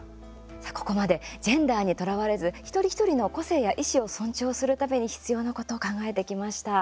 さあ、ここまでジェンダーにとらわれず一人一人の個性や意思を尊重するために必要なことを考えてきました。